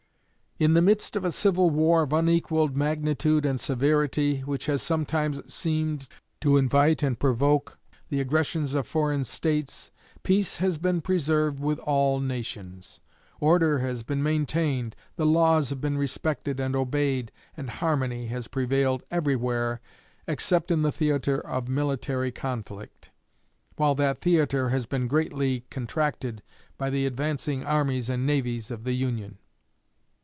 In the midst of a civil war of unequalled magnitude and severity, which has sometimes seemed to invite and provoke the aggressions of foreign states, peace has been preserved with all nations, order has been maintained, the laws have been respected and obeyed, and harmony has prevailed everywhere except in the theatre of military conflict, while that theatre has been greatly contracted by the advancing armies and navies of the Union.